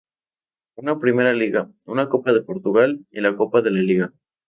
Una Primeira Liga, una Copa de Portugal y la Copa de la Liga.